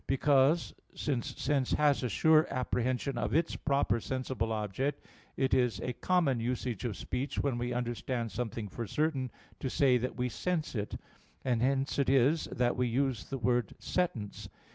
Because, since sense has a sure apprehension of its proper sensible object, it is a common usage of speech, when we understand something for certain, to say that we "sense it." And hence it is that we use the word "sentence."